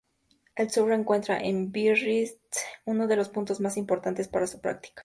El surf encuentra en Biarritz uno de los puntos más importantes para su práctica.